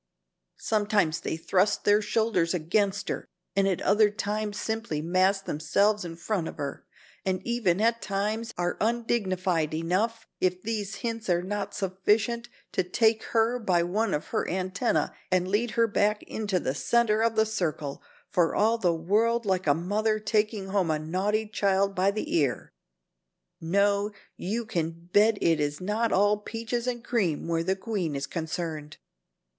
Sometimes they thrust their shoulders against her and at other times simply mass themselves in front of her, and even, at times, are undignified enough, if these hints are not sufficient, to take her by one of her antennae and lead her back into the center of the circle, for all the world like a mother taking home a naughty child by the ear. No, you can bet it is not all 'peaches and cream' where the queen is concerned."